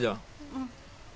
うん。